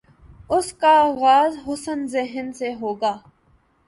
اس کا آغاز حسن ظن سے ہو گا۔